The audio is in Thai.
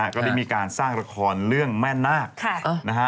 ก็ได้มีการสร้างละครเรื่องแม่นาคนะฮะ